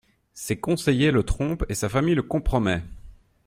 Ses conseillers le trompent et sa famille le compromet.